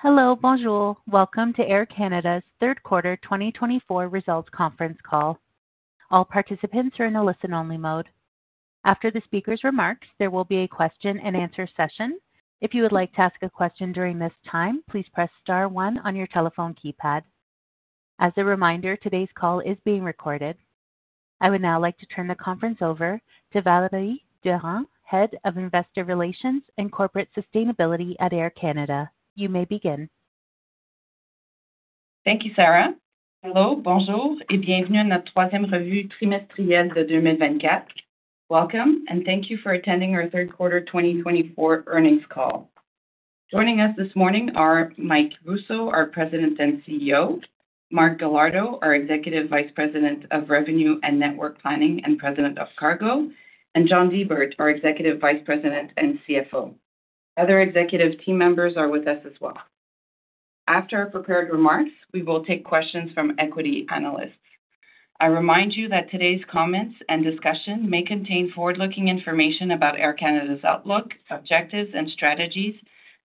Hello, bonjour, welcome to Air Canada's Q3 2024 Results Conference Call. All participants are in a listen-only mode. After the speaker's remarks, there will be a question-and-answer session. If you would like to ask a question during this time, please press star one on your telephone keypad. As a reminder, today's call is being recorded. I would now like to turn the conference over to Valerie Durand, Head of Investor Relations and Corporate Sustainability at Air Canada. You may begin. Thank you, Sarah. Hello, bonjour, et bienvenue à notre troisième revue trimestrielle de 2024. Welcome, and thank you for attending our Q3 2024 earnings call. Joining us this morning are Mike Rousseau, our President and CEO, Mark Galardo, our Executive Vice President of Revenue and Network Planning and President of Cargo, and John Di Bert, our Executive Vice President and CFO. Other executive team members are with us as well. After our prepared remarks, we will take questions from equity analysts. I remind you that today's comments and discussion may contain forward-looking information about Air Canada's outlook, objectives, and strategies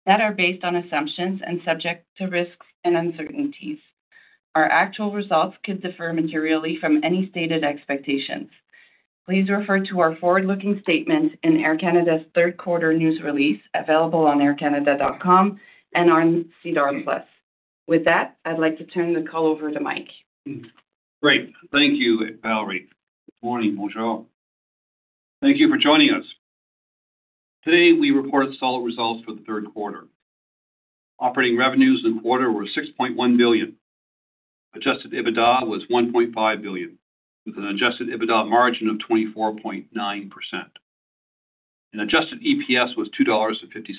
that are based on assumptions and subject to risks and uncertainties. Our actual results could differ materially from any stated expectations. Please refer to our forward-looking statement in Air Canada's Q3 news release, available on aircanada.com and on SEDAR+. With that, I'd like to turn the call over to Mike. Great. Thank you, Valerie. Good morning, bonjour. Thank you for joining us. Today, we reported solid results for the Q3. Operating revenues in the quarter were 6.1 billion. Adjusted EBITDA was 1.5 billion, with an adjusted EBITDA margin of 24.9%. And adjusted EPS was $2.57.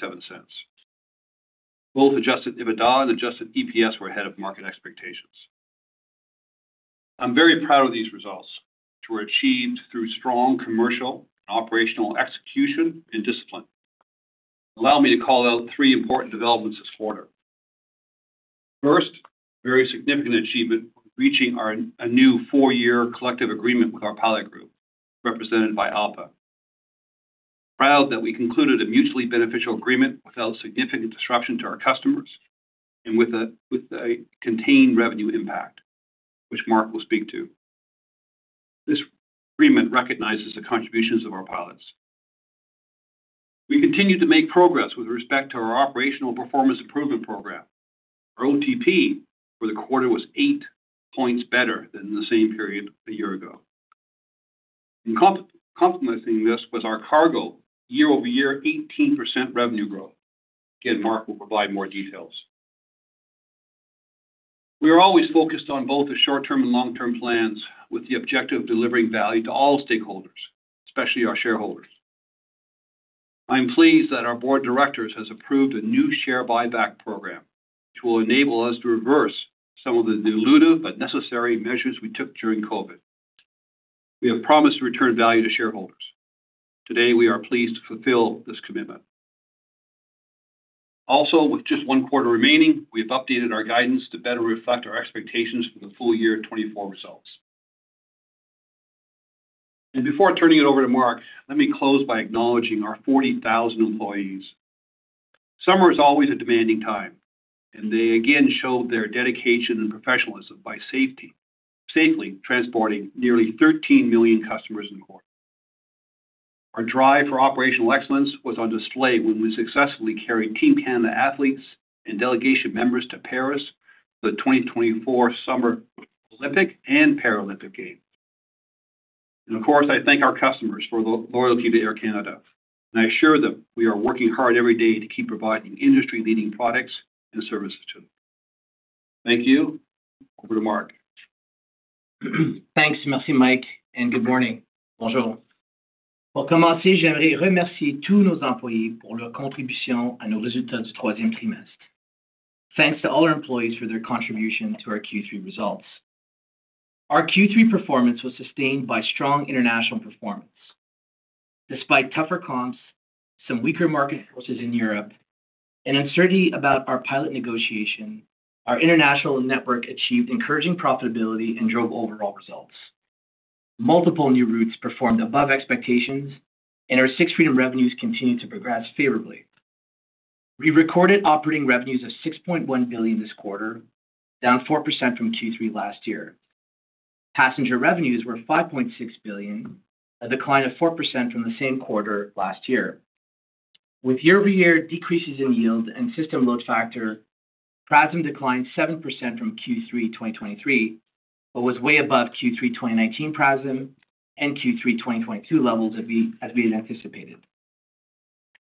Both adjusted EBITDA and adjusted EPS were ahead of market expectations. I'm very proud of these results, which were achieved through strong commercial and operational execution and discipline. Allow me to call out three important developments this quarter. First, a very significant achievement was reaching a new four-year collective agreement with our pilot group, represented by ALPA. Proud that we concluded a mutually beneficial agreement without significant disruption to our customers and with a contained revenue impact, which Mark will speak to. This agreement recognizes the contributions of our pilots. We continue to make progress with respect to our Operational Performance Improvement Program. Our OTP for the quarter was eight points better than the same period a year ago. Complementing this was our Cargo year-over-year 18% revenue growth. Again, Mark will provide more details. We are always focused on both the short-term and long-term plans, with the objective of delivering value to all stakeholders, especially our shareholders. I'm pleased that our Board of Directors has approved a new share buyback program, which will enable us to reverse some of the dilutive but necessary measures we took during COVID. We have promised to return value to shareholders. Today, we are pleased to fulfill this commitment. Also, with just one quarter remaining, we have updated our guidance to better reflect our expectations for the full year 2024 results, and before turning it over to Mark, let me close by acknowledging our 40,000 employees. Summer is always a demanding time, and they again showed their dedication and professionalism by safely transporting nearly 13 million customers in the quarter. Our drive for operational excellence was on display when we successfully carried Team Canada athletes and delegation members to Paris for the 2024 Summer Olympic and Paralympic Games, and of course, I thank our customers for the loyalty to Air Canada, and I assure them we are working hard every day to keep providing industry-leading products and services to them. Thank you. Over to Mark. Thanks, merci, Mike, and good morning, bonjour. Pour commencer, j'aimerais remercier tous nos employés pour leur contribution à nos résultats du troisième trimestre. Thanks to all our employees for their contribution to our Q3 results. Our Q3 performance was sustained by strong international performance. Despite tougher comps, some weaker market forces in Europe, and uncertainty about our pilot negotiation, our international network achieved encouraging profitability and drove overall results. Multiple new routes performed above expectations, and our Sixth Freedom revenues continued to progress favorably. We recorded operating revenues of 6.1 billion this quarter, down 4% from Q3 last year. Passenger revenues were 5.6 billion, a decline of 4% from the same quarter last year. With year-over-year decreases in yield and system load factor, PRASM declined 7% from Q3 2023, but was way above Q3 2019 PRASM and Q3 2022 levels as we had anticipated.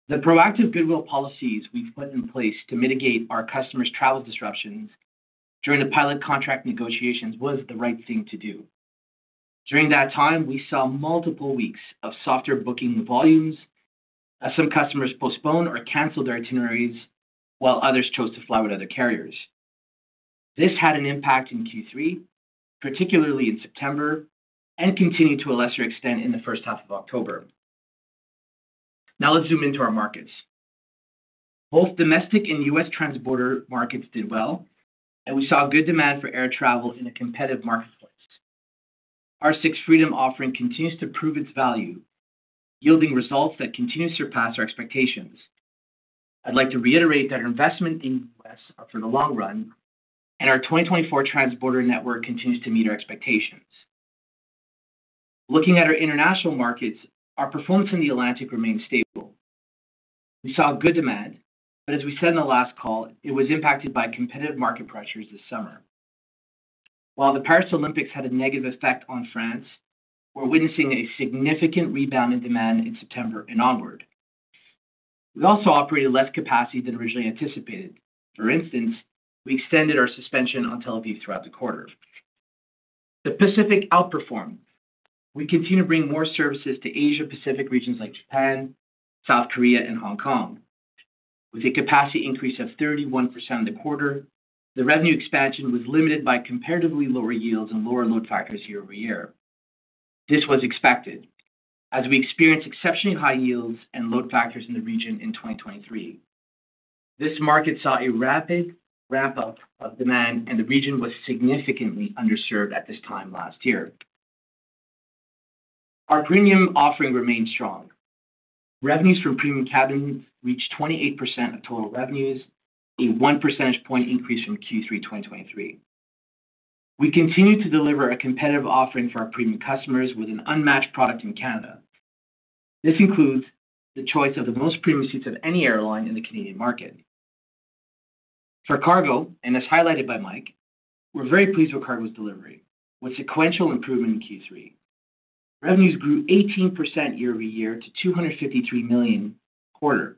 The proactive goodwill policies we've put in place to mitigate our customers' travel disruptions during the pilot contract negotiations was the right thing to do. During that time, we saw multiple weeks of softer booking volumes, as some customers postponed or canceled their itineraries while others chose to fly with other carriers. This had an impact in Q3, particularly in September, and continued to a lesser extent in the first half of October. Now let's zoom into our markets. Both domestic and U.S. transborder markets did well, and we saw good demand for air travel in a competitive marketplace. Our Sixth Freedom offering continues to prove its value, yielding results that continue to surpass our expectations. I'd like to reiterate that our investment in the U.S. is for the long run, and our 2024 transborder network continues to meet our expectations. Looking at our international markets, our performance in the Atlantic remained stable. We saw good demand, but as we said in the last call, it was impacted by competitive market pressures this summer. While the Paris Olympics had a negative effect on France, we're witnessing a significant rebound in demand in September and onward. We also operated less capacity than originally anticipated. For instance, we extended our suspension on Tel Aviv throughout the quarter. The Pacific outperformed. We continue to bring more services to Asia-Pacific regions like Japan, South Korea, and Hong Kong. With a capacity increase of 31% in the quarter, the revenue expansion was limited by comparatively lower yields and lower load factors year-over-year. This was expected, as we experienced exceptionally high yields and load factors in the region in 2023. This market saw a rapid ramp-up of demand, and the region was significantly underserved at this time last year. Our premium offering remained strong. Revenues from premium cabins reached 28% of total revenues, a one percentage point increase from Q3 2023. We continue to deliver a competitive offering for our premium customers with an unmatched product in Canada. This includes the choice of the most premium seats of any airline in the Canadian market. For Cargo, and as highlighted by Mike, we're very pleased with Cargo's delivery, with sequential improvement in Q3. Revenues grew 18% year-over-year to 253 million quarter.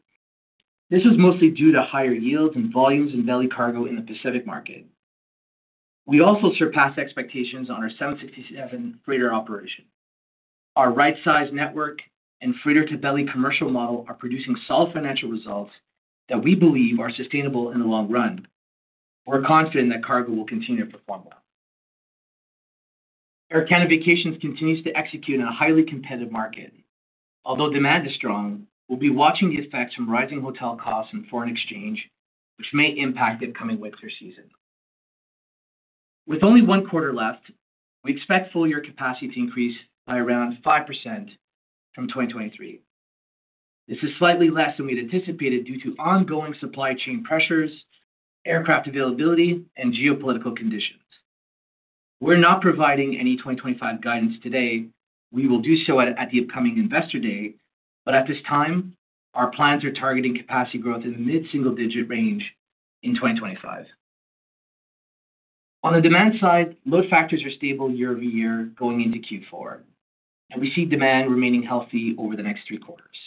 This was mostly due to higher yields and volumes in belly cargo in the Pacific market. We also surpassed expectations on our 767 freighter operation. Our right-sized network and freighter-to-belly commercial model are producing solid financial results that we believe are sustainable in the long run. We're confident that Cargo will continue to perform well. Air Canada Vacations continues to execute in a highly competitive market. Although demand is strong, we'll be watching the effects from rising hotel costs and foreign exchange, which may impact the upcoming winter season. With only one quarter left, we expect full-year capacity to increase by around 5% from 2023. This is slightly less than we'd anticipated due to ongoing supply chain pressures, aircraft availability, and geopolitical conditions. We're not providing any 2025 guidance today. We will do so at the upcoming Investor Day, but at this time, our plans are targeting capacity growth in the mid-single-digit range in 2025. On the demand side, load factors are stable year-over-year going into Q4, and we see demand remaining healthy over the next three quarters.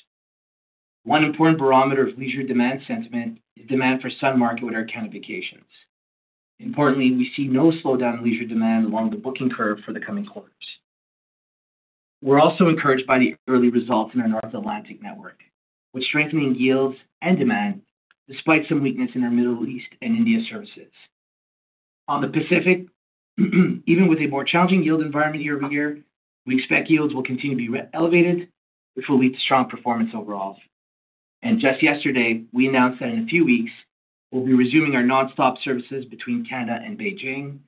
One important barometer of leisure demand sentiment is demand for sun market with Air Canada Vacations. Importantly, we see no slowdown in leisure demand along the booking curve for the coming quarters. We're also encouraged by the early results in our North Atlantic network, which are strengthening yields and demand despite some weakness in our Middle East and India services. On the Pacific, even with a more challenging yield environment year-over-year, we expect yields will continue to be elevated, which will lead to strong performance overall. And just yesterday, we announced that in a few weeks, we'll be resuming our nonstop services between Canada and Beijing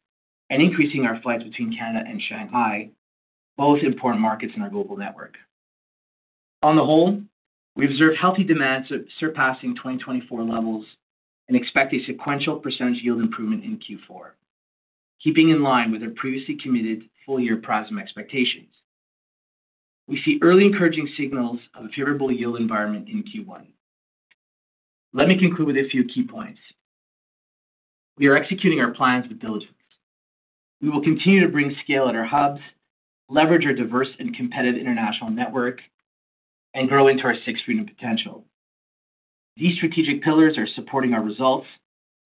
and increasing our flights between Canada and Shanghai, both important markets in our global network. On the whole, we observe healthy demand surpassing 2024 levels and expect a sequential percentage yield improvement in Q4, keeping in line with our previously committed full-year PRASM expectations. We see early encouraging signals of a favorable yield environment in Q1. Let me conclude with a few key points. We are executing our plans with diligence. We will continue to bring scale at our hubs, leverage our diverse and competitive international network, and grow into our six freedom potential. These strategic pillars are supporting our results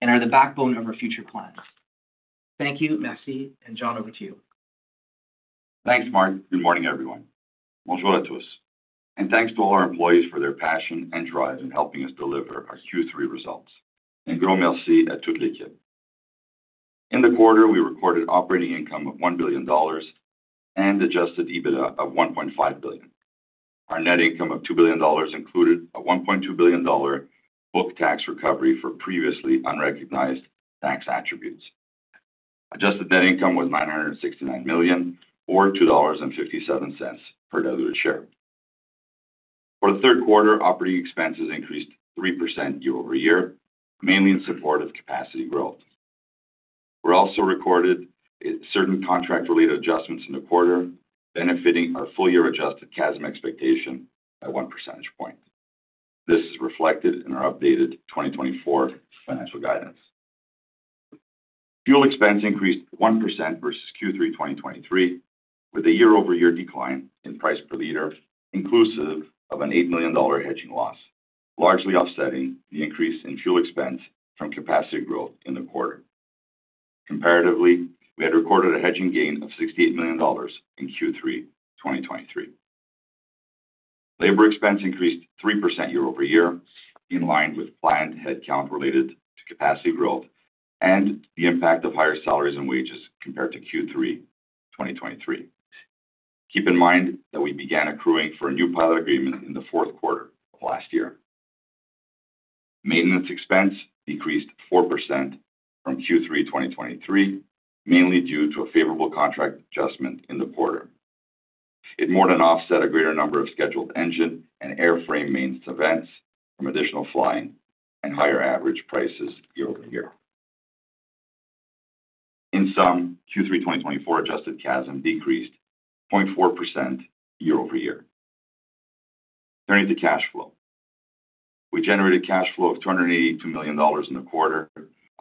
and are the backbone of our future plans. Thank you, merci, and John, over to you. Thanks, Mark. Good morning, everyone. Bonjour à tous. And thanks to all our employees for their passion and drive in helping us deliver our Q3 results. Et grand merci à toute l'équipe. In the quarter, we recorded operating income of 1 billion dollars and adjusted EBITDA of 1.5 billion. Our net income of 2 billion dollars included a 1.2 billion dollar book tax recovery for previously unrecognized tax attributes. Adjusted net income was 969 million, or 2.57 dollars per delivered share. For the Q3, operating expenses increased 3% year-over-year, mainly in support of capacity growth. We also recorded certain contract-related adjustments in the quarter, benefiting our full-year adjusted CASM expectation by one percentage point. This is reflected in our updated 2024 financial guidance. Fuel expense increased 1% versus Q3 2023, with a year-over-year decline in price per liter, inclusive of an 8 million dollar hedging loss, largely offsetting the increase in fuel expense from capacity growth in the quarter. Comparatively, we had recorded a hedging gain of 68 million dollars in Q3 2023. Labor expense increased 3% year-over-year, in line with planned headcount related to capacity growth and the impact of higher salaries and wages compared to Q3 2023. Keep in mind that we began accruing for a new pilot agreement in the Q4 of last year. Maintenance expense decreased 4% from Q3 2023, mainly due to a favorable contract adjustment in the quarter. It more than offset a greater number of scheduled engine and airframe maintenance events from additional flying and higher average prices year-over-year. In sum, Q3 2024 adjusted CASM decreased 0.4% year-over-year. Turning to cash flow, we generated cash flow of 282 million dollars in the quarter,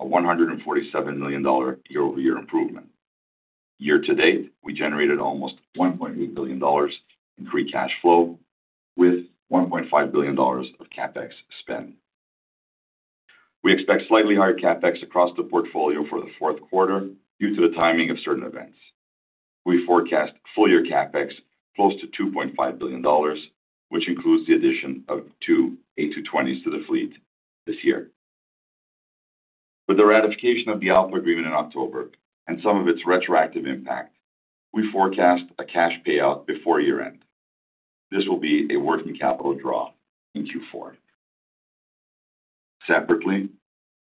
a 147 million dollar year-over-year improvement. Year-to-date, we generated almost 1.8 billion dollars in free cash flow, with 1.5 billion dollars of CapEx spent. We expect slightly higher CapEx across the portfolio for the Q4 due to the timing of certain events. We forecast full-year CapEx close to 2.5 billion dollars, which includes the addition of two A220s to the fleet this year. With the ratification of the ALPA agreement in October and some of its retroactive impact, we forecast a cash payout before year-end. This will be a working capital draw in Q4. Separately,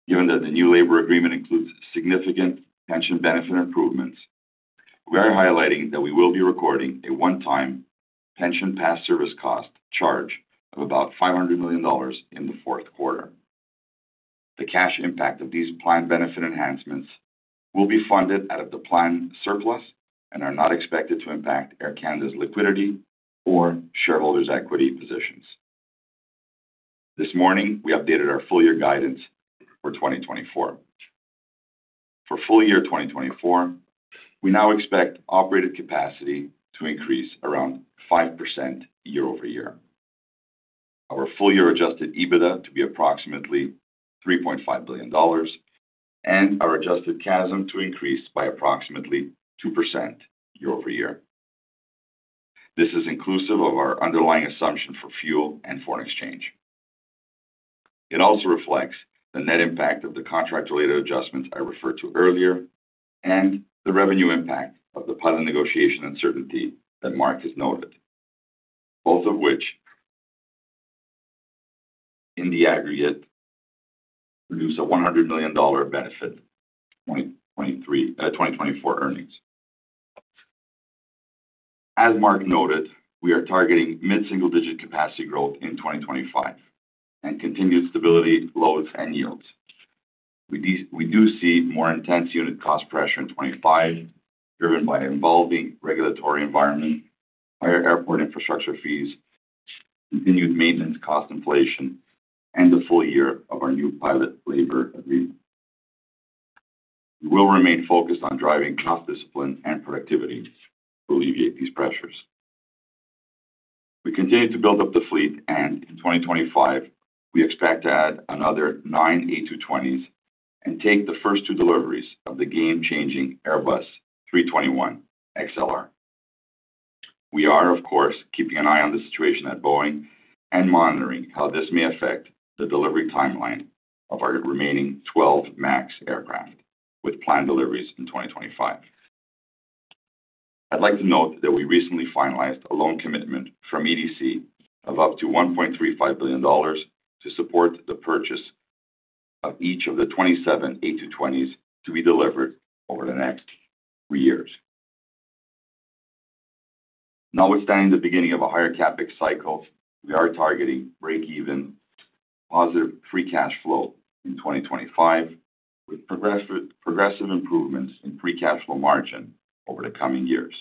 given that the new labor agreement includes significant pension benefit improvements, we are highlighting that we will be recording a one-time pension past service cost charge of about 500 million dollars in the Q4. The cash impact of these planned benefit enhancements will be funded out of the planned surplus and are not expected to impact Air Canada's liquidity or shareholders' equity positions. This morning, we updated our full-year guidance for 2024. For full-year 2024, we now expect operated capacity to increase around 5% year-over-year, our full-year adjusted EBITDA to be approximately $3.5 billion, and our adjusted CASM to increase by approximately 2% year-over-year. This is inclusive of our underlying assumption for fuel and foreign exchange. It also reflects the net impact of the contract-related adjustments I referred to earlier and the revenue impact of the pilot negotiation uncertainty that Mark has noted, both of which, in the aggregate, produce a $100 million benefit in 2024 earnings. As Mark noted, we are targeting mid-single-digit capacity growth in 2025 and continued stability, loads, and yields. We do see more intense unit cost pressure in 2025, driven by an evolving regulatory environment, higher airport infrastructure fees, continued maintenance cost inflation, and the full year of our new pilot labor agreement. We will remain focused on driving cost discipline and productivity to alleviate these pressures. We continue to build up the fleet, and in 2025, we expect to add another nine A220s and take the first two deliveries of the game-changing Airbus 321XLR. We are, of course, keeping an eye on the situation at Boeing and monitoring how this may affect the delivery timeline of our remaining 12 MAX aircraft, with planned deliveries in 2025. I'd like to note that we recently finalized a loan commitment from EDC of up to 1.35 billion dollars to support the purchase of each of the 27 A220s to be delivered over the next three years. Now, notwithstanding the beginning of a higher CapEx cycle, we are targeting break-even, positive free cash flow in 2025, with progressive improvements in free cash flow margin over the coming years.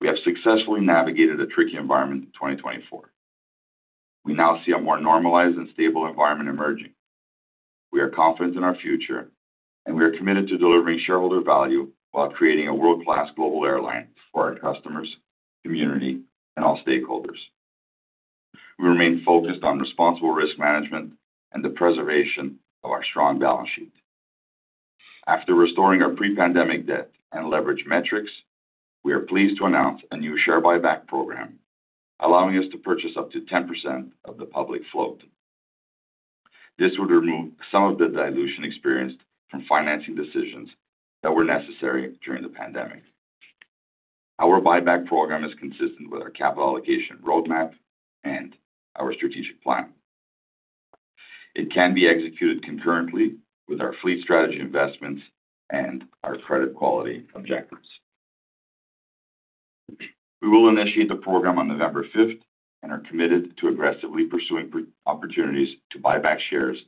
We have successfully navigated a tricky environment in 2024. We now see a more normalized and stable environment emerging. We are confident in our future, and we are committed to delivering shareholder value while creating a world-class global airline for our customers, community, and all stakeholders. We remain focused on responsible risk management and the preservation of our strong balance sheet. After restoring our pre-pandemic debt and leverage metrics, we are pleased to announce a new share buyback program, allowing us to purchase up to 10% of the public float. This would remove some of the dilution experienced from financing decisions that were necessary during the pandemic. Our buyback program is consistent with our capital allocation roadmap and our strategic plan. It can be executed concurrently with our fleet strategy investments and our credit quality objectives. We will initiate the program on November 5th, and are committed to aggressively pursuing opportunities to buy back shares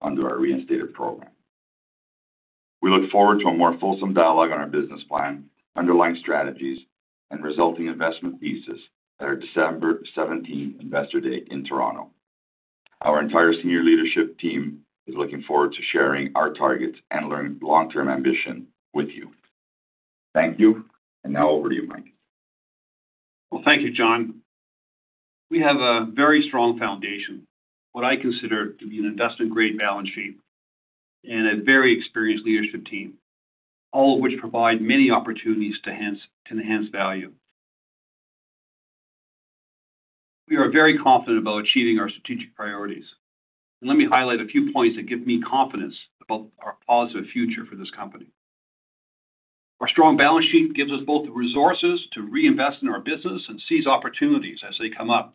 under our reinstated program. We look forward to a more fulsome dialogue on our business plan, underlying strategies, and resulting investment thesis at our December 17th Investor Day in Toronto. Our entire senior leadership team is looking forward to sharing our targets and learning long-term ambition with you. Thank you, and now over to you, Mike. Thank you, John. We have a very strong foundation, what I consider to be an investment-grade balance sheet, and a very experienced leadership team, all of which provide many opportunities to enhance value. We are very confident about achieving our strategic priorities, and let me highlight a few points that give me confidence about our positive future for this company. Our strong balance sheet gives us both the resources to reinvest in our business and seize opportunities as they come up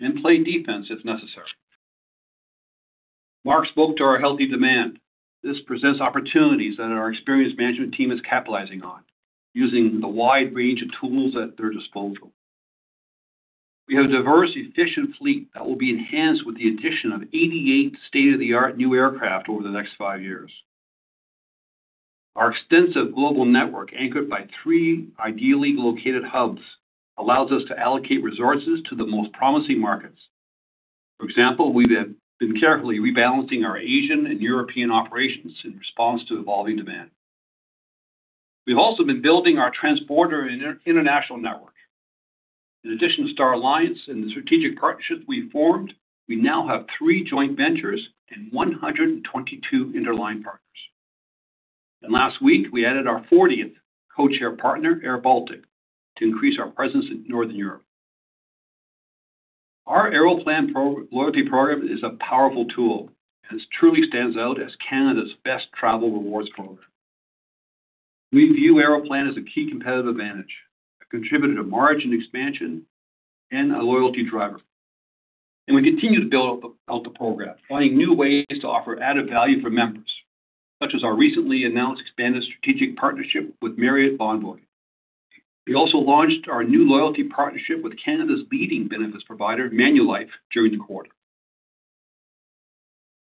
and play defense if necessary. Mark spoke to our healthy demand. This presents opportunities that our experienced management team is capitalizing on, using the wide range of tools at their disposal. We have a diverse, efficient fleet that will be enhanced with the addition of 88 state-of-the-art new aircraft over the next five years. Our extensive global network, anchored by three ideally located hubs, allows us to allocate resources to the most promising markets. For example, we have been carefully rebalancing our Asian and European operations in response to evolving demand. We've also been building our transborder international network. In addition to Star Alliance and the strategic partnership we formed, we now have three joint ventures and 122 interline partners. And last week, we added our 40th codeshare partner, airBaltic, to increase our presence in Northern Europe. Our Aeroplan Loyalty Program is a powerful tool, and it truly stands out as Canada's best travel rewards program. We view Aeroplan as a key competitive advantage, a contributor to margin expansion, and a loyalty driver. And we continue to build out the program, finding new ways to offer added value for members, such as our recently announced expanded strategic partnership with Marriott Bonvoy. We also launched our new loyalty partnership with Canada's leading benefits provider, Manulife, during the quarter.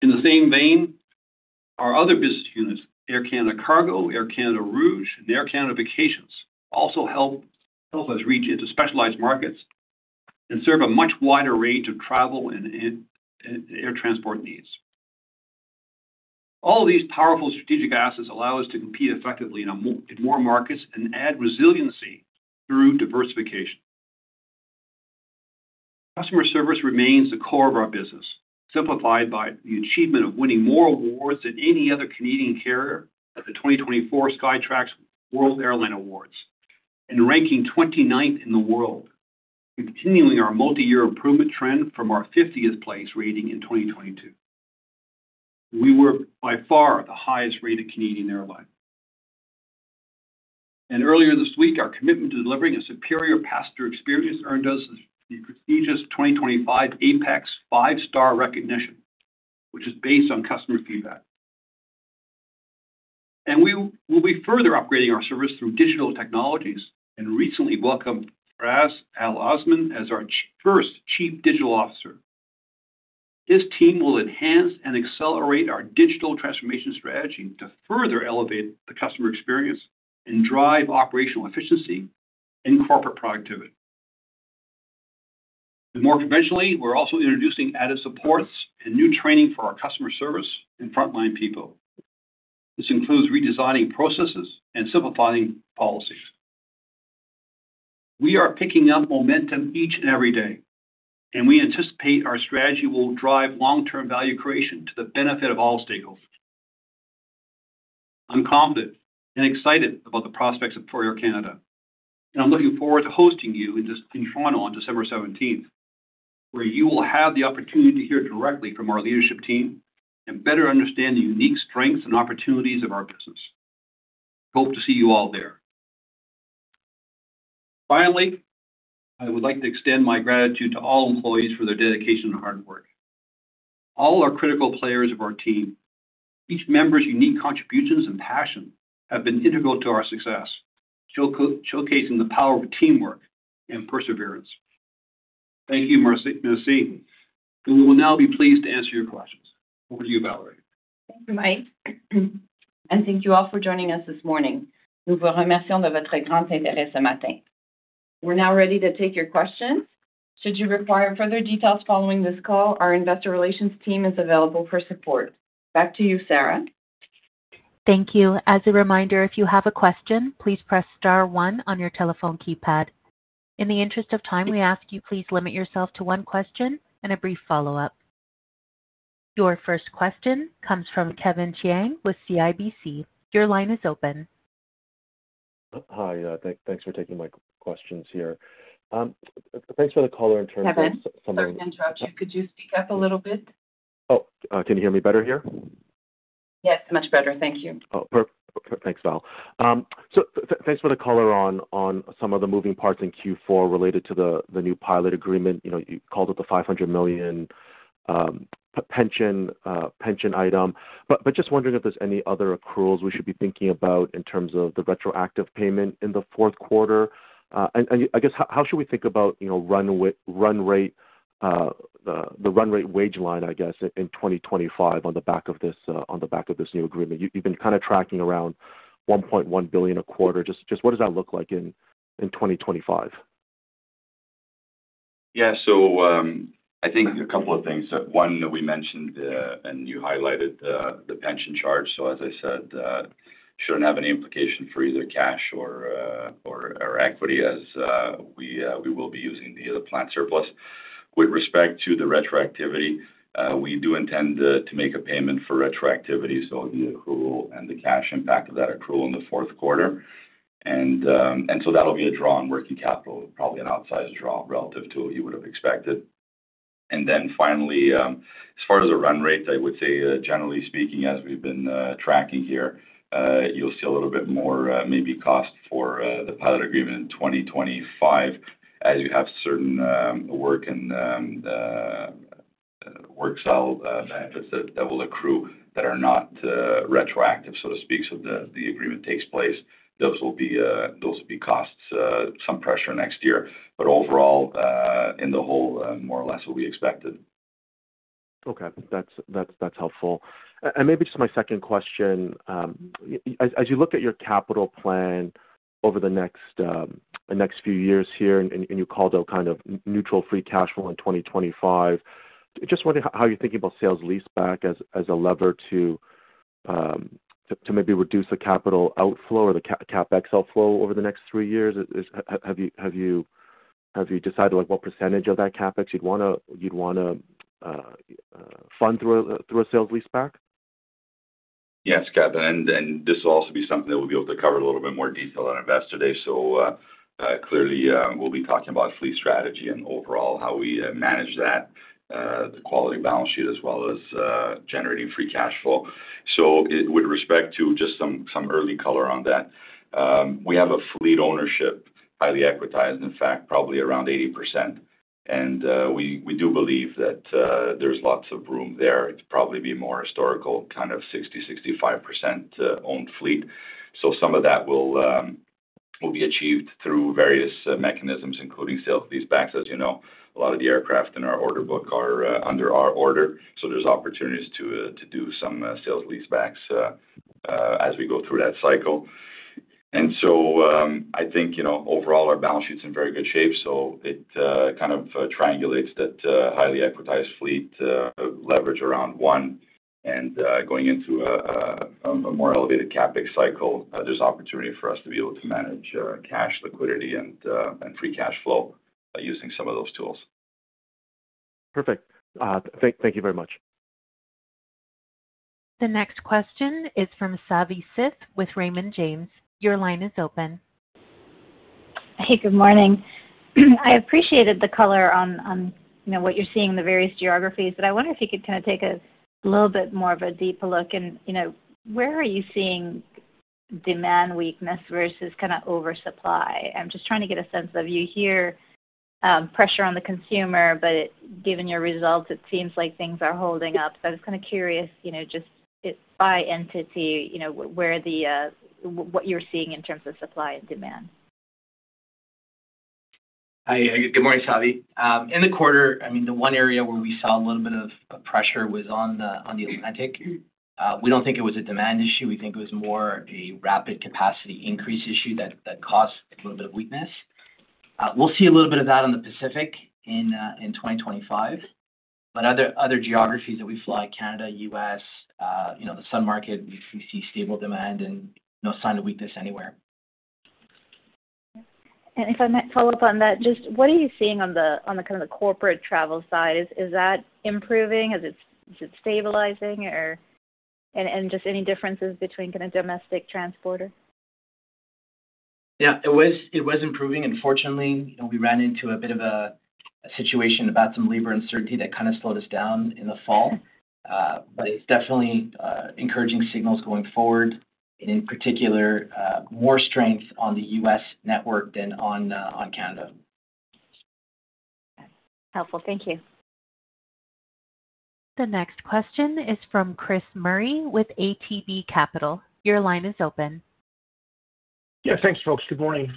In the same vein, our other business units, Air Canada Cargo, Air Canada Rouge, and Air Canada Vacations, also help us reach into specialized markets and serve a much wider range of travel and air transport needs. All of these powerful strategic assets allow us to compete effectively in more markets and add resiliency through diversification. Customer service remains the core of our business, simplified by the achievement of winning more awards than any other Canadian carrier at the 2024 Skytrax World Airline Awards and ranking 29th in the world, continuing our multi-year improvement trend from our 50th place rating in 2022. We were by far the highest-rated Canadian airline. Earlier this week, our commitment to delivering a superior passenger experience earned us the prestigious 2025 APEX five-star recognition, which is based on customer feedback. And we will be further upgrading our service through digital technologies and recently welcomed Firas Al Osman as our first Chief Digital Officer. His team will enhance and accelerate our digital transformation strategy to further elevate the customer experience and drive operational efficiency and corporate productivity. And more conventionally, we're also introducing added supports and new training for our customer service and frontline people. This includes redesigning processes and simplifying policies. We are picking up momentum each and every day, and we anticipate our strategy will drive long-term value creation to the benefit of all stakeholders. I'm confident and excited about the prospects of tour Air Canada, and I'm looking forward to hosting you in Toronto on December 17th, where you will have the opportunity to hear directly from our leadership team and better understand the unique strengths and opportunities of our business. Hope to see you all there. Finally, I would like to extend my gratitude to all employees for their dedication and hard work. All are critical players of our team. Each member's unique contributions and passion have been integral to our success, showcasing the power of teamwork and perseverance. Thank you. Merci. We will now be pleased to answer your questions. Over to you, Valerie. Thank you, Mike, and thank you all for joining us this morning. Nous vous remercions de votre grand intérêt ce matin. We're now ready to take your questions. Should you require further details following this call, our investor relations team is available for support. Back to you, Sarah. Thank you. As a reminder, if you have a question, please press star one on your telephone keypad. In the interest of time, we ask you please limit yourself to one question and a brief follow-up. Your first question comes from Kevin Chiang with CIBC. Your line is open. Hi. Thanks for taking my questions here. Thanks for the color in terms of something. Kevin, I interrupt you. Could you speak up a little bit? Oh, can you hear me better here? Yes, much better. Thank you. Oh, perfect. Thanks, Val. So thanks for the caller on some of the moving parts in Q4 related to the new pilot agreement. You called it the $500 million pension item. But just wondering if there's any other accruals we should be thinking about in terms of the retroactive payment in the Q4. And I guess, how should we think about run rate, the run rate wage line, I guess, in 2025 on the back of this new agreement? You've been kind of tracking around $1.1 billion a quarter. Just what does that look like in 2025? Yeah, so I think a couple of things. One, we mentioned and you highlighted the pension charge. So, as I said, it shouldn't have any implication for either cash or equity as we will be using the planned surplus. With respect to the retroactivity, we do intend to make a payment for retroactivity, so the accrual and the cash impact of that accrual in the Q4, and so that'll be a draw on working capital, probably an outsized draw relative to what you would have expected, and then finally, as far as the run rate, I would say, generally speaking, as we've been tracking here, you'll see a little bit more maybe cost for the pilot agreement in 2025 as you have certain work and work style benefits that will accrue that are not retroactive, so to speak, so the agreement takes place. Those will be costs, some pressure next year, but overall, in the whole, more or less what we expected. Okay. That's helpful. And maybe just my second question. As you look at your capital plan over the next few years here, and you called it kind of neutral free cash flow in 2025, just wondering how you're thinking about sale-leaseback as a lever to maybe reduce the capital outflow or the CapEx outflow over the next three years. Have you decided what percentage of that CapEx you'd want to fund through a sale-leaseback? Yes, Kevin. And this will also be something that we'll be able to cover a little bit more detail on Investor Day. So clearly, we'll be talking about fleet strategy and overall how we manage that, the quality balance sheet, as well as generating free cash flow. So with respect to just some early color on that, we have a fleet ownership highly equitized, in fact, probably around 80%. And we do believe that there's lots of room there. It'd probably be more historical, kind of 60% to 65% owned fleet. So some of that will be achieved through various mechanisms, including sale-leasebacks. As you know, a lot of the aircraft in our order book are under our order. So there's opportunities to do some sale-leasebacks as we go through that cycle. And so I think overall, our balance sheet's in very good shape. So it kind of triangulates that highly equitized fleet leverage around one. And going into a more elevated CapEx cycle, there's opportunity for us to be able to manage cash liquidity and free cash flow using some of those tools. Perfect. Thank you very much. The next question is from Savi Syth with Raymond James. Your line is open. Hey, good morning. I appreciated the color on what you're seeing in the various geographies, but I wonder if you could kind of take a little bit more of a deeper look, and where are you seeing demand weakness versus kind of oversupply? I'm just trying to get a sense of, you hear pressure on the consumer, but given your results, it seems like things are holding up, so I'm just kind of curious, just by entity, what you're seeing in terms of supply and demand. Hi. Good morning, Savi. In the quarter, I mean, the one area where we saw a little bit of pressure was on the Atlantic. We don't think it was a demand issue. We think it was more a rapid capacity increase issue that caused a little bit of weakness. We'll see a little bit of that on the Pacific in 2025. But other geographies that we fly, Canada, U.S., the sun market, we see stable demand and no sign of weakness anywhere. If I might follow up on that, just what are you seeing on the kind of the corporate travel side? Is that improving? Is it stabilizing? And just any differences between kind of domestic transborder? Yeah. It was improving. Unfortunately, we ran into a bit of a situation about some labor uncertainty that kind of slowed us down in the fall. But it's definitely encouraging signals going forward, and in particular, more strength on the U.S. network than on Canada. Helpful. Thank you. The next question is from Chris Murray with ATB Capital. Your line is open. Yeah. Thanks, folks. Good morning.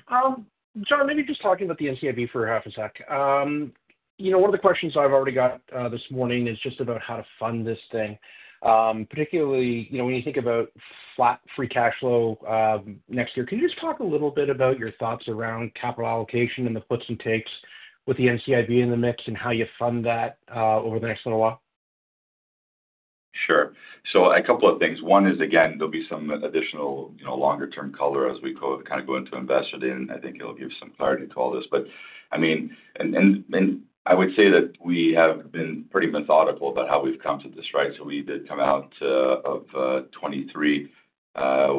John, maybe just talking about the NCIB for a half a sec. One of the questions I've already got this morning is just about how to fund this thing, particularly when you think about flat free cash flow next year. Can you just talk a little bit about your thoughts around capital allocation and the puts and takes with the NCIB in the mix and how you fund that over the next little while? Sure. So a couple of things. One is, again, there'll be some additional longer-term color as we kind of go into investing in. I think it'll give some clarity to all this. But I mean, and I would say that we have been pretty methodical about how we've come to this, right? So we did come out of 2023.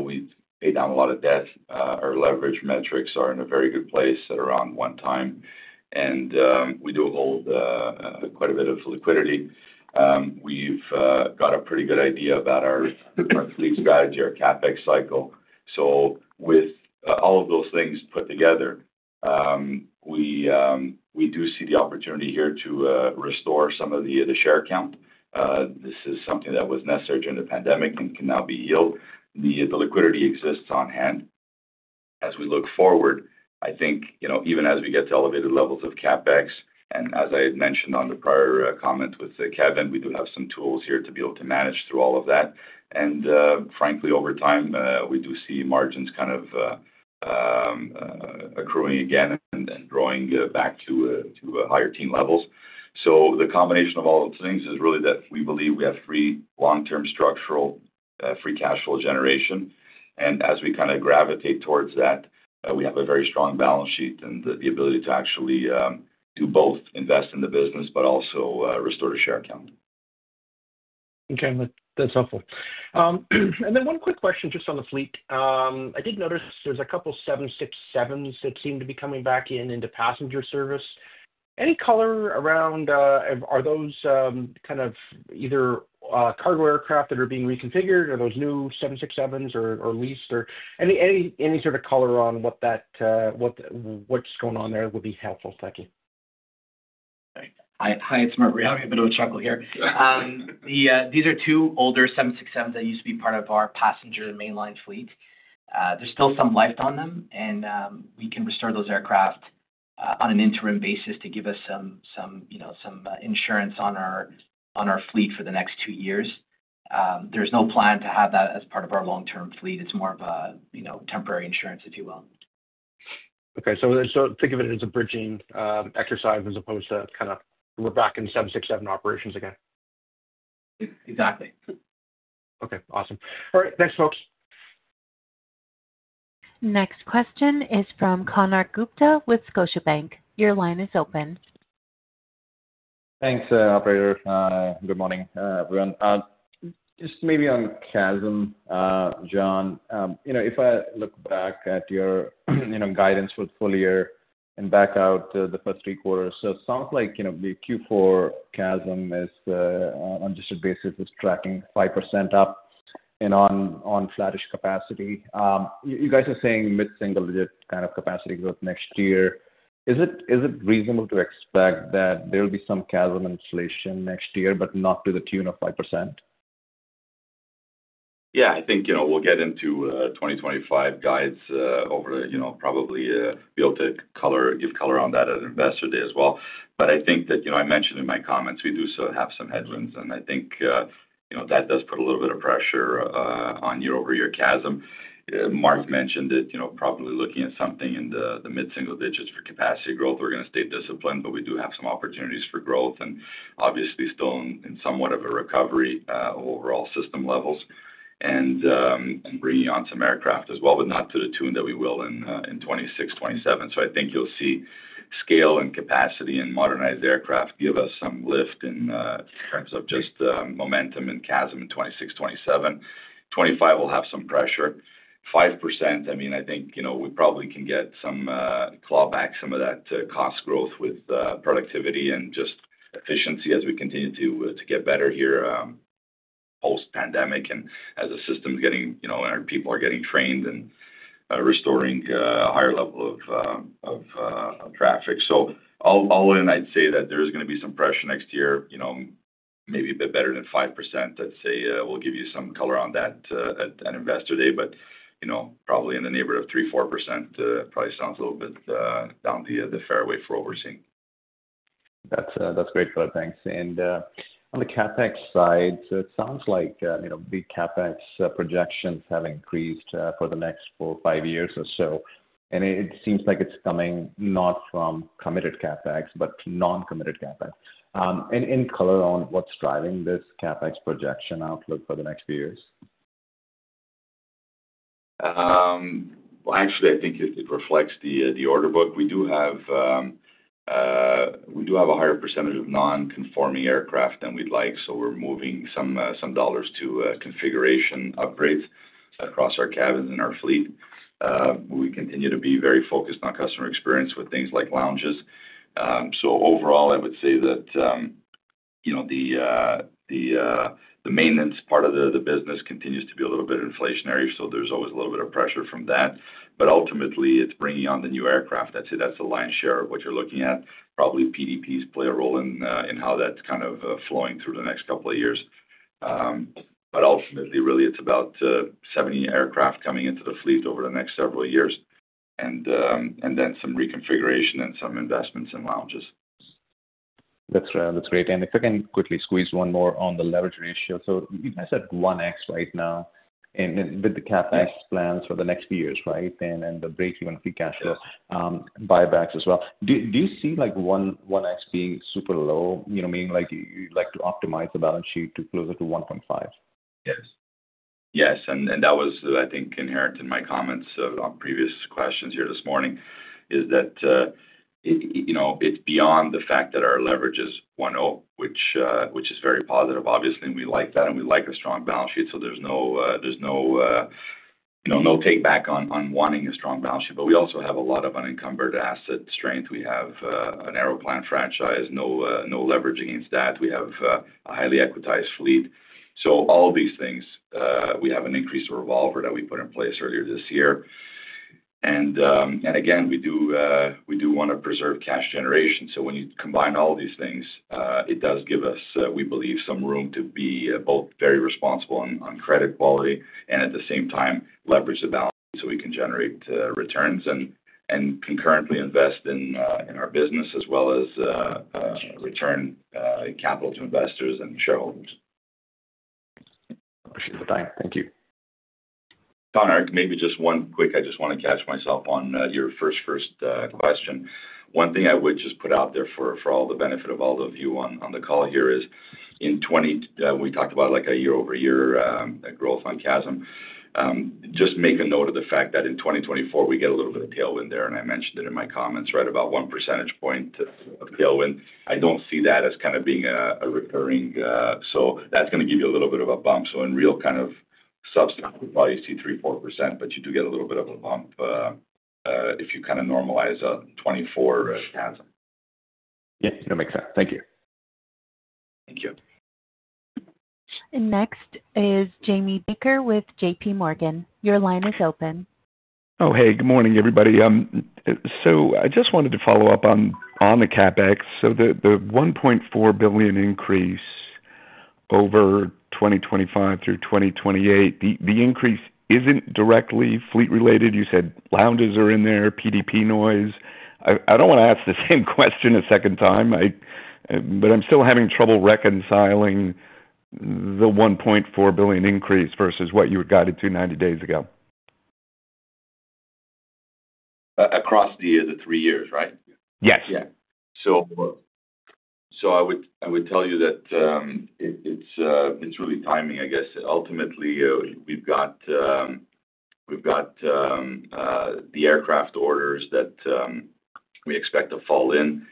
We've paid down a lot of debt. Our leverage metrics are in a very good place at around one time. And we do hold quite a bit of liquidity. We've got a pretty good idea about our fleet strategy, our CapEx cycle. So with all of those things put together, we do see the opportunity here to restore some of the share count. This is something that was necessary during the pandemic and can now be yield. The liquidity exists on hand. As we look forward, I think even as we get to elevated levels of CapEx, and as I had mentioned on the prior comment with Kevin, we do have some tools here to be able to manage through all of that. And frankly, over time, we do see margins kind of accruing again and growing back to higher teen levels. So the combination of all those things is really that we believe we have free long-term structural free cash flow generation. And as we kind of gravitate towards that, we have a very strong balance sheet and the ability to actually do both invest in the business, but also restore the share count. Okay. That's helpful. And then one quick question just on the fleet. I did notice there's a couple of 767s that seem to be coming back into passenger service. Any color around? Are those kind of either cargo aircraft that are being reconfigured or those new 767s or leased? Or any sort of color on what's going on there would be helpful. Thank you. Hi. Hi, it's Mark Galardo. I'm going to have a bit of a chuckle here. These are two older 767s that used to be part of our passenger mainline fleet. There's still some life on them, and we can restore those aircraft on an interim basis to give us some insurance on our fleet for the next two years. There's no plan to have that as part of our long-term fleet. It's more of a temporary insurance, if you will. O kay. So think of it as a bridging exercise as opposed to kind of we're back in 767 operations again. Exactly. Okay. Awesome. All right. Thanks, folks. Next question is from Konark Gupta with Scotiabank. Your line is open. Thanks, Operator. Good morning, everyone. Just maybe on CASM, John, if I look back at your guidance for the year and back out the first three quarters, so it sounds like the Q4 CASM is, on a unit basis, tracking 5% up and on flattish capacity. You guys are saying mid-single digit kind of capacity growth next year. Is it reasonable to expect that there will be some CASM inflation next year, but not to the tune of 5%? Yeah. I think we'll get into 2025 guides. We'll probably be able to give color on that at Investor Day as well. But I think that I mentioned in my comments, we do have some headwinds, and I think that does put a little bit of pressure on year-over-year CASM. Mark mentioned that. We're probably looking at something in the mid-single digits for capacity growth. We're going to stay disciplined, but we do have some opportunities for growth and obviously still in somewhat of a recovery overall system levels and bringing on some aircraft as well, but not to the tune that we will in 2026, 2027. So I think you'll see scale and capacity and modernized aircraft give us some lift in terms of just momentum and CASM in 2026, 2027. 2025 will have some pressure. 5%, I mean, I think we probably can get some clawback, some of that cost growth with productivity and just efficiency as we continue to get better here post-pandemic and as the systems getting and our people are getting trained and restoring a higher level of traffic. So all in, I'd say that there's going to be some pressure next year, maybe a bit better than 5%. I'd say we'll give you some color on that at Investor Day, but probably in the neighborhood of 3% to 4% probably sounds a little bit down the fairway for overseas. That's great though. Thanks. And on the CapEx side, so it sounds like big CapEx projections have increased for the next four, five years or so. And it seems like it's coming not from committed CapEx, but non-committed CapEx. And color on what's driving this CapEx projection outlook for the next few years? Well, actually, I think it reflects the order book. We do have a higher percentage of non-conforming aircraft than we'd like. So we're moving some dollars to configuration upgrades across our cabins and our fleet. We continue to be very focused on customer experience with things like lounges. So overall, I would say that the maintenance part of the business continues to be a little bit inflationary. So there's always a little bit of pressure from that. But ultimately, it's bringing on the new aircraft. I'd say that's the lion's share of what you're looking at. Probably PDPs play a role in how that's kind of flowing through the next couple of years. But ultimately, really, it's about 70 aircraft coming into the fleet over the next several years and then some reconfiguration and some investments in lounges. That's great. And if I can quickly squeeze one more on the leverage ratio. So I said 1x right now with the CapEx plans for the next few years, right? And the break-even free cash flow, buybacks as well. Do you see 1x being super low, meaning you'd like to optimize the balance sheet to closer to 1.5? Yes. Yes. And that was, I think, inherent in my comments on previous questions here this morning, is that it's beyond the fact that our leverage is 1.0, which is very positive. Obviously, we like that, and we like a strong balance sheet. So there's no take back on wanting a strong balance sheet. But we also have a lot of unencumbered asset strength. We have an Aeroplan franchise, no leverage against that. We have a highly equitized fleet. So all these things, we have an increased revolver that we put in place earlier this year. And again, we do want to preserve cash generation. So when you combine all these things, it does give us, we believe, some room to be both very responsible on credit quality and at the same time leverage the balance so we can generate returns and concurrently invest in our business as well as return capital to investors and shareholders. Appreciate the time. Thank you. Konark, maybe just one quick. I just want to catch myself on your first question. One thing I would just put out there for all the benefit of all of you on the call here is in 2020 we talked about a year-over-year growth on ASM. Just make a note of the fact that in 2024, we get a little bit of tailwind there. And I mentioned it in my comments, right? About one percentage point of tailwind. I don't see that as kind of being a recurring. So that's going to give you a little bit of a bump. So in real kind of substance, you probably see 3% to 4%, but you do get a little bit of a bump if you kind of normalize 2024 ASM. Yeah. That makes sense. Thank you. Thank you. Next is Jamie Baker with JPMorgan. Your line is open. Oh, hey. Good morning, everybody. So I just wanted to follow up on the CapEx. So the 1.4 billion increase over 2025 through 2028, the increase isn't directly fleet-related. You said lounges are in there, PDP noise. I don't want to ask the same question a second time, but I'm still having trouble reconciling the 1.4 billion increase versus what you had guided to 90 days ago. Across the year to three years, right? Yes. Yeah. So I would tell you that it's really timing, I guess. Ultimately, we've got the aircraft orders that we expect to fall in.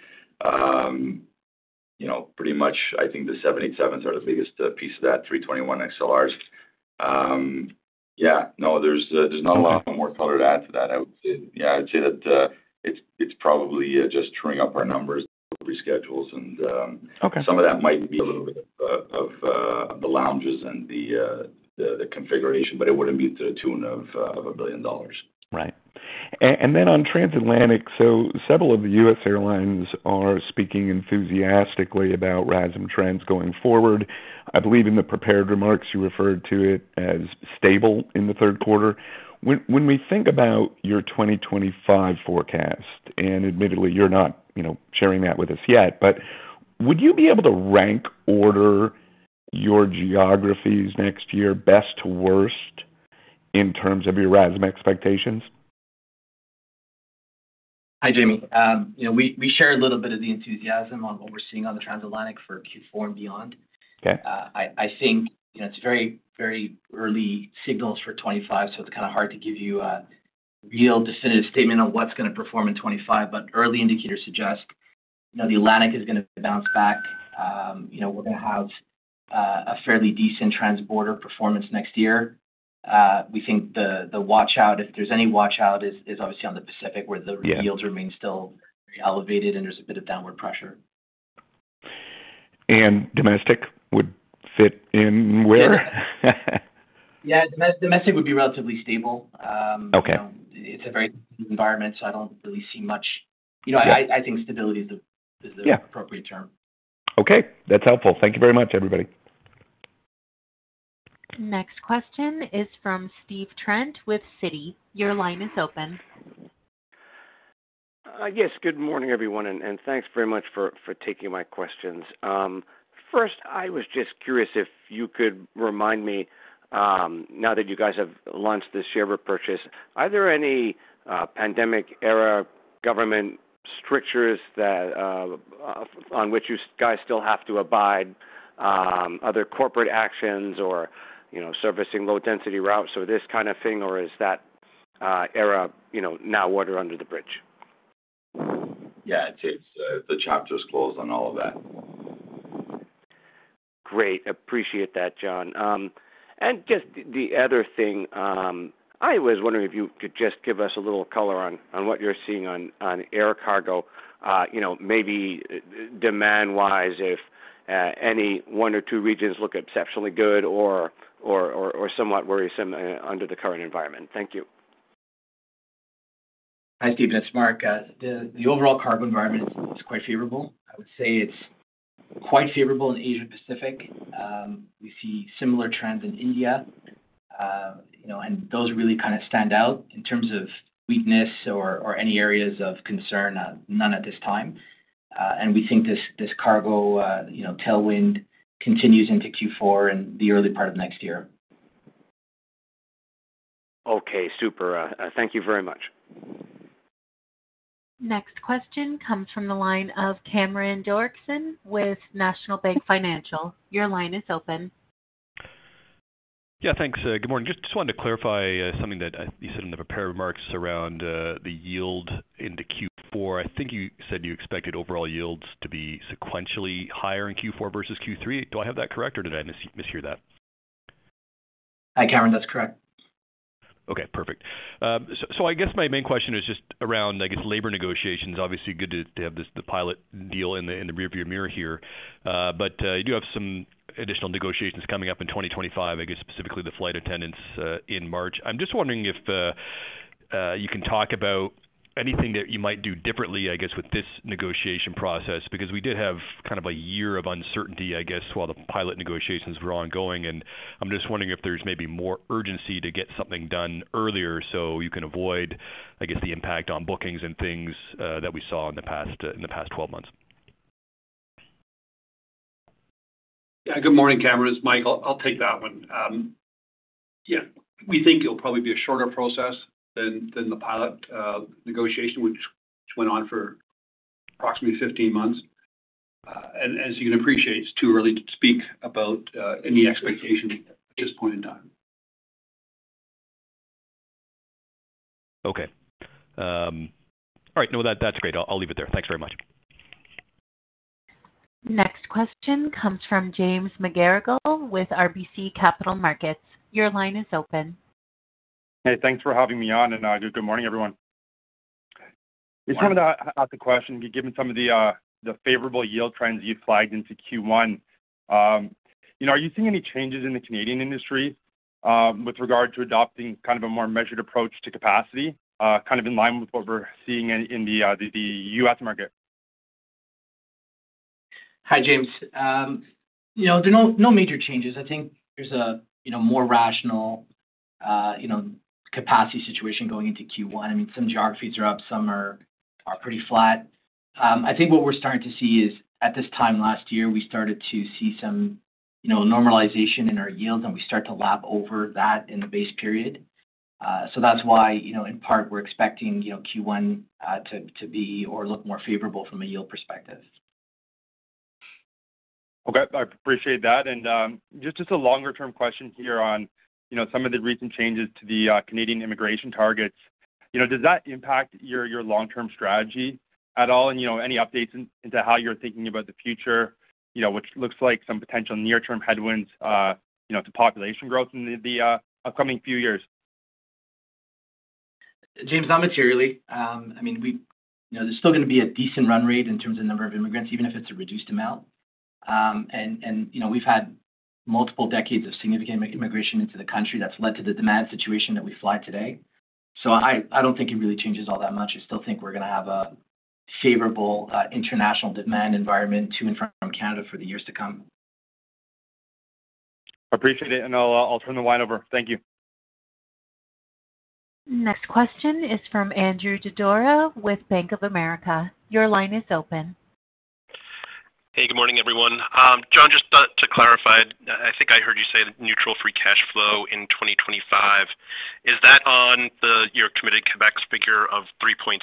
Pretty much, I think the 787s are the biggest piece of that, 321XLRs. Yeah. No, there's not a lot more color to add to that, I would say. Yeah. I'd say that it's probably just trueing up our numbers, reschedules, and some of that might be a little bit of the lounges and the configuration, but it wouldn't be to the tune of 1 billion dollars. Right. And then on transatlantic, several of the U.S. airlines are speaking enthusiastically about RASM trends going forward. I believe in the prepared remarks, you referred to it as stable in the Q3. When we think about your 2025 forecast, and admittedly, you're not sharing that with us yet, but would you be able to rank order your geographies next year best to worst in terms of your RASM expectations? Hi, Jamie. We share a little bit of the enthusiasm on what we're seeing on the transatlantic for Q4 and beyond. I think it's very, very early signals for 2025, so it's kind of hard to give you a real definitive statement on what's going to perform in 2025, but early indicators suggest the Atlantic is going to bounce back. We're going to have a fairly decent transborder performance next year. We think the watch-out, if there's any watch-out, is obviously on the Pacific where the yields remain still elevated and there's a bit of downward pressure. Domestic would fit in where? Yeah. Domestic would be relatively stable. It's a very environment, so I don't really see much. I think stability is the appropriate term. Okay. That's helpful. Thank you very much, everybody. Next question is from Stephen Trent with Citi. Your line is open. Yes. Good morning, everyone. And thanks very much for taking my questions. First, I was just curious if you could remind me, now that you guys have launched this share purchase, are there any pandemic-era government strictures on which you guys still have to abide, other corporate actions or servicing low-density routes or this kind of thing, or is that era now water under the bridge? Yeah. It is. The chapter is closed on all of that. Great. Appreciate that, John. And just the other thing, I was wondering if you could just give us a little color on what you're seeing on air cargo, maybe demand-wise, if any one or two regions look exceptionally good or somewhat worrisome under the current environment? Thank you. Hi, Steve. It's Mark. The overall cargo environment is quite favorable. I would say it's quite favorable in Asia-Pacific. We see similar trends in India, and those really kind of stand out in terms of weakness or any areas of concern, none at this time, and we think this cargo tailwind continues into Q4 and the early part of next year. Okay. Super. Thank you very much. Next question comes from the line of Cameron Doerksen with National Bank Financial. Your line is open. Yeah. Thanks. Good morning. Just wanted to clarify something that you said in the prepared remarks around the yield into Q4. I think you said you expected overall yields to be sequentially higher in Q4 versus Q3. Do I have that correct, or did I mishear that? Hi, Cameron. That's correct. Okay. Perfect. So I guess my main question is just around, I guess, labor negotiations. Obviously, good to have the pilot deal in the rearview mirror here. But you do have some additional negotiations coming up in 2025, I guess, specifically the flight attendants in March. I'm just wondering if you can talk about anything that you might do differently, I guess, with this negotiation process because we did have kind of a year of uncertainty, I guess, while the pilot negotiations were ongoing. And I'm just wondering if there's maybe more urgency to get something done earlier so you can avoid, I guess, the impact on bookings and things that we saw in the past 12 months. Yeah. Good morning, Cameron. It's Michael. I'll take that one. Yeah. We think it'll probably be a shorter process than the pilot negotiation, which went on for approximately 15 months, and as you can appreciate, it's too early to speak about any expectation at this point in time. Okay. All right. No, that's great. I'll leave it there. Thanks very much. Next question comes from James McGarragle with RBC Capital Markets. Your line is open. Hey. Thanks for having me on, and good morning, everyone. Hi. Just wanted to ask a question. Given some of the favorable yield trends you flagged into Q1, are you seeing any changes in the Canadian industry with regard to adopting kind of a more measured approach to capacity, kind of in line with what we're seeing in the U.S. market? Hi, James. There are no major changes. I think there's a more rational capacity situation going into Q1. I mean, some geographies are up. Some are pretty flat. I think what we're starting to see is at this time last year, we started to see some normalization in our yield, and we start to lap over that in the base period. So that's why, in part, we're expecting Q1 to be or look more favorable from a yield perspective. Okay. I appreciate that. And just a longer-term question here on some of the recent changes to the Canadian immigration targets. Does that impact your long-term strategy at all? Any updates into how you're thinking about the future, which looks like some potential near-term headwinds to population growth in the upcoming few years? James, not materially. I mean, there's still going to be a decent run rate in terms of number of immigrants, even if it's a reduced amount. And we've had multiple decades of significant immigration into the country that's led to the demand situation that we fly today. So I don't think it really changes all that much. I still think we're going to have a favorable international demand environment to and from Canada for the years to come. Appreciate it. And I'll turn the line over. Thank you. Next question is from Andrew Didora with Bank of America. Your line is open. Hey. Good morning, everyone. John, just to clarify, I think I heard you say neutral free cash flow in 2025. Is that on your committed CapEx figure of $3.6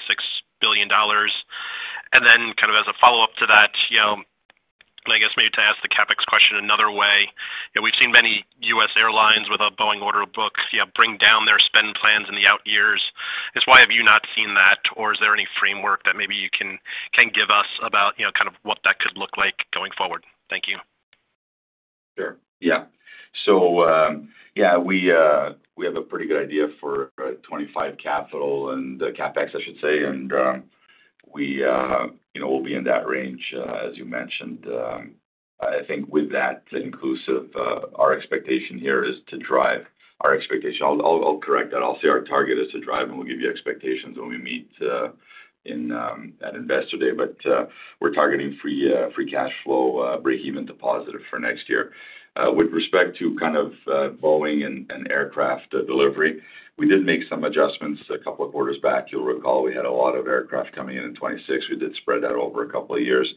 billion? And then kind of as a follow-up to that, I guess maybe to ask the CapEx question another way, we've seen many US airlines with a Boeing order book bring down their spend plans in the out years. Why have you not seen that? Or is there any framework that maybe you can give us about kind of what that could look like going forward? Thank you. Sure. Yeah. So yeah, we have a pretty good idea for 2025 capital and CapEx, I should say, and we'll be in that range, as you mentioned. I think with that inclusive, our expectation here is to drive our expectation. I'll correct that. I'll say our target is to drive, and we'll give you expectations when we meet at Investor Day, but we're targeting free cash flow, break-even deposit for next year. With respect to kind of Boeing and aircraft delivery, we did make some adjustments a couple of quarters back. You'll recall we had a lot of aircraft coming in in 2026. We did spread that over a couple of years.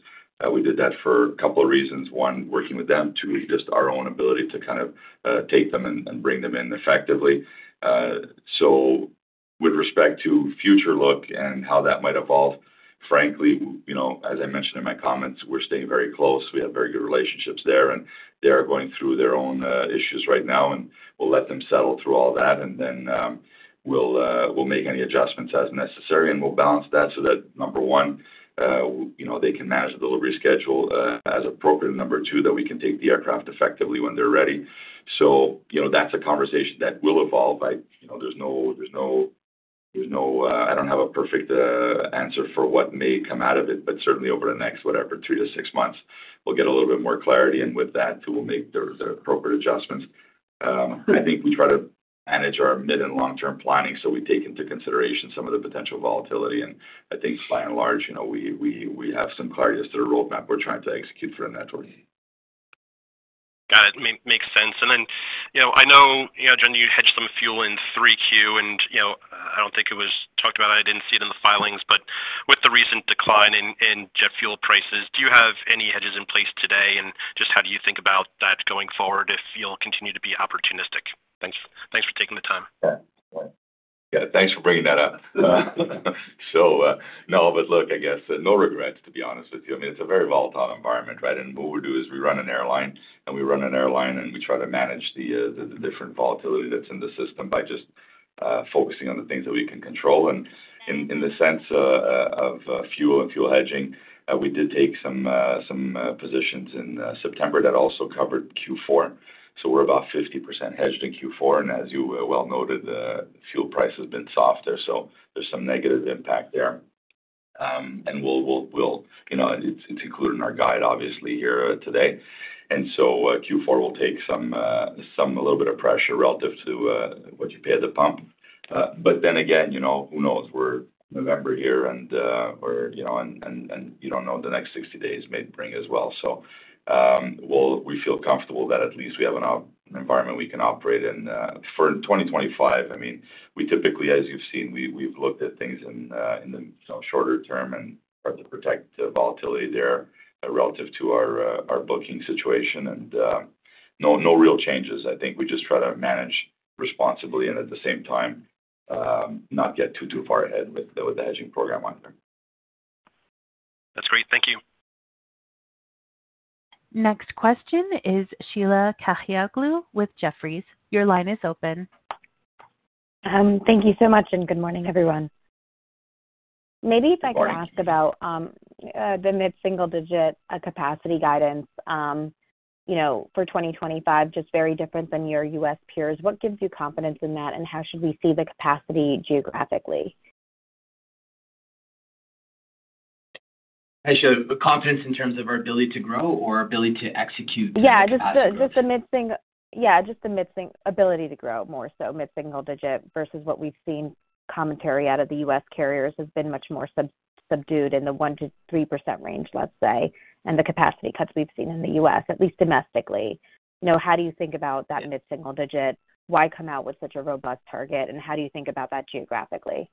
We did that for a couple of reasons. One, working with them. Two, just our own ability to kind of take them and bring them in effectively. With respect to future look and how that might evolve, frankly, as I mentioned in my comments, we're staying very close. We have very good relationships there, and they are going through their own issues right now, and we'll let them settle through all that, and then we'll make any adjustments as necessary, and we'll balance that so that, number one, they can manage the delivery schedule as appropriate, number two, that we can take the aircraft effectively when they're ready, so that's a conversation that will evolve. There's no, I don't have a perfect answer for what may come out of it, but certainly over the next, whatever, three to six months, we'll get a little bit more clarity, and with that, we'll make the appropriate adjustments. I think we try to manage our mid- and long-term planning, so we take into consideration some of the potential volatility. I think, by and large, we have some clarity as to the roadmap we're trying to execute for the network. Got it. Makes sense. And then I know, John, you hedged some fuel in 3Q. And I don't think it was talked about. I didn't see it in the filings. But with the recent decline in jet fuel prices, do you have any hedges in place today? And just how do you think about that going forward if you'll continue to be opportunistic? Thanks for taking the time. Yeah. Thanks for bringing that up. So no, but look, I guess no regrets, to be honest with you. I mean, it's a very volatile environment, right? And what we do is we run an airline, and we run an airline, and we try to manage the different volatility that's in the system by just focusing on the things that we can control. And in the sense of fuel and fuel hedging, we did take some positions in September that also covered Q4. So we're about 50% hedged in Q4. And as you well noted, fuel price has been soft there. So there's some negative impact there. And well, it's included in our guide, obviously, here today. And so Q4 will take some a little bit of pressure relative to what you pay at the pump. But then again, who knows? We're in November here, and you don't know what the next 60 days may bring as well. So we feel comfortable that at least we have an environment we can operate in for 2025. I mean, we typically, as you've seen, we've looked at things in the shorter term and tried to protect the volatility there relative to our booking situation. And no real changes. I think we just try to manage responsibly and at the same time not get too, too far ahead with the hedging program either. That's great. Thank you. Next question is Sheila Kahyaoglu with Jefferies. Your line is open. Thank you so much, and good morning, everyone. Maybe if I could ask about the mid-single-digit capacity guidance for 2025, just very different than your U.S. peers. What gives you confidence in that, and how should we see the capacity geographically? You should have confidence in terms of our ability to grow, our ability to execute? Yeah. Just the mid-single ability to grow more so, mid-single digit versus what we've seen. Commentary out of the U.S. carriers has been much more subdued in the 1% to 3% range, let's say, and the capacity cuts we've seen in the U.S., at least domestically. How do you think about that mid-single digit? Why come out with such a robust target? And how do you think about that geographically?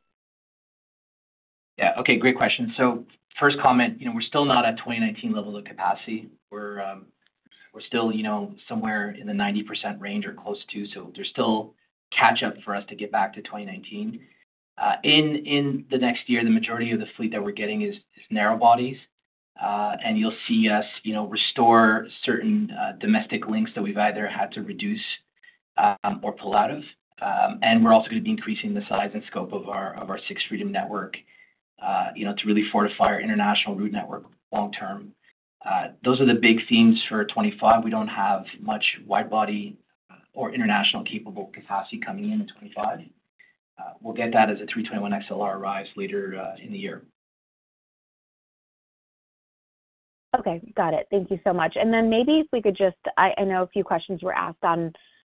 Yeah. Okay. Great question. So first comment, we're still not at 2019 level of capacity. We're still somewhere in the 90% range or close to. So there's still catch-up for us to get back to 2019. In the next year, the majority of the fleet that we're getting is narrowbodies. And you'll see us restore certain domestic links that we've either had to reduce or pull out of. And we're also going to be increasing the size and scope of our sixth freedom network to really fortify our international route network long-term. Those are the big themes for 2025. We don't have much widebody or international-capable capacity coming in in 2025. We'll get that as the 321XLR arrives later in the year. Okay. Got it. Thank you so much. And then maybe if we could just. I know a few questions were asked on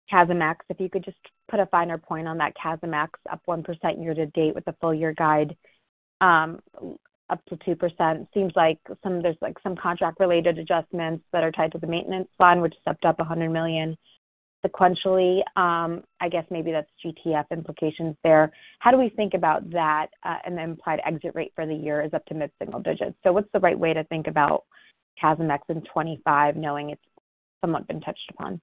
capacity. If you could just put a finer point on that capacity up 1% year-to-date with the full-year guide up to 2%. Seems like there's some contract-related adjustments that are tied to the maintenance fund, which stepped up 100 million sequentially. I guess maybe that's GTF implications there. How do we think about that and the implied exit rate for the year is up to mid-single digit? So what's the right way to think about capacity in 2025, knowing it's somewhat been touched upon?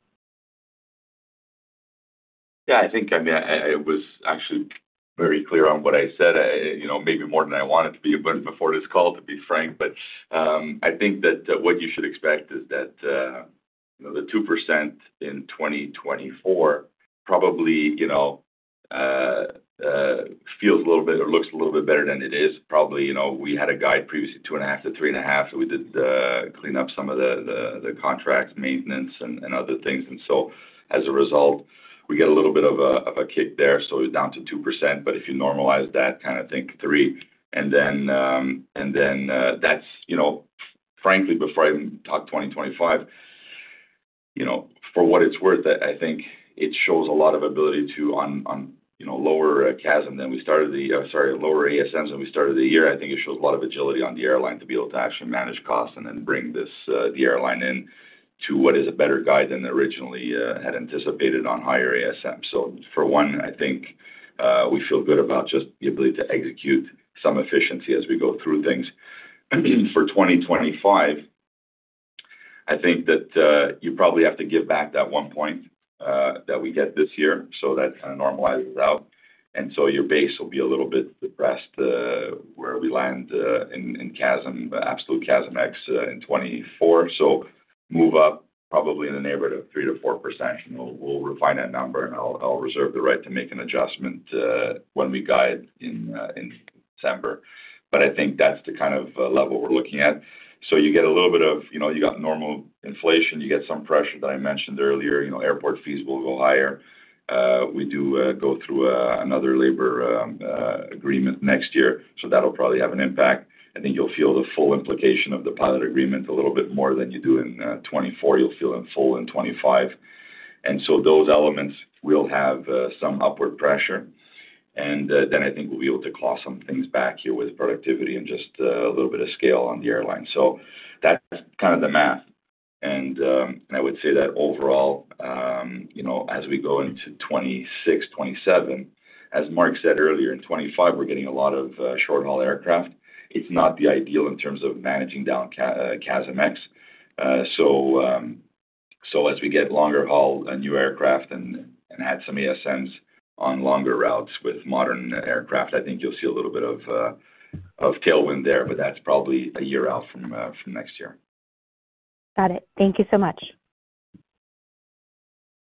Yeah. I think, I mean, I was actually very clear on what I said, maybe more than I wanted to be before this call, to be frank. But I think that what you should expect is that the 2% in 2024 probably feels a little bit or looks a little bit better than it is. Probably we had a guide previously, 2.5% to 3.5%. So we did clean up some of the contracts, maintenance, and other things. And so as a result, we get a little bit of a kick there. So down to 2%. But if you normalize that, kind of think 3%. And then that's, frankly, before I even talk 2025, for what it's worth, I think it shows a lot of ability to lower ASMs than we started the year. I think it shows a lot of agility on the airline to be able to actually manage costs and then bring the airline into what is a better guide than originally had anticipated on higher ASM. So for one, I think we feel good about just the ability to execute some efficiency as we go through things. For 2025, I think that you probably have to give back that one point that we get this year so that kind of normalizes out. And so your base will be a little bit depressed where we land in CASM, absolute CASM ex in 2024. So move up probably in the neighborhood of 3% to 4%. We'll refine that number. And I'll reserve the right to make an adjustment when we guide in December. But I think that's the kind of level we're looking at. So you get a little bit. You got normal inflation. You get some pressure that I mentioned earlier. Airport fees will go higher. We do go through another labor agreement next year. So that'll probably have an impact. I think you'll feel the full implication of the pilot agreement a little bit more than you do in 2024. You'll feel it full in 2025. And so those elements will have some upward pressure. And then I think we'll be able to claw some things back here with productivity and just a little bit of scale on the airline. So that's kind of the math. And I would say that overall, as we go into 2026, 2027, as Mark said earlier, in 2025, we're getting a lot of short-haul aircraft. It's not the ideal in terms of managing down CASM ex. So as we get longer-haul new aircraft and had some ASMs on longer routes with modern aircraft, I think you'll see a little bit of tailwind there. But that's probably a year out from next year. Got it. Thank you so much.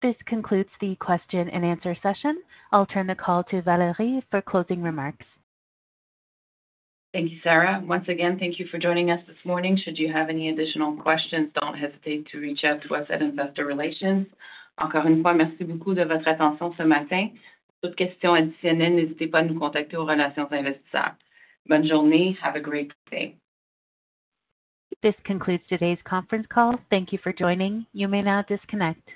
This concludes the question and answer session. I'll turn the call to Valérie for closing remarks. Thank you, Sarah. Once again, thank you for joining us this morning. Should you have any additional questions, don't hesitate to reach out to us at Investor Relations. Encore une fois, merci beaucoup de votre attention ce matin. Pour toute question additionnelle, n'hésitez pas à nous contacter aux relations investisseurs. Bonne journée. Have a great day. This concludes today's conference call. Thank you for joining. You may now disconnect.